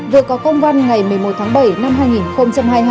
vừa có công văn ngày một mươi một tháng bảy năm hai nghìn hai mươi hai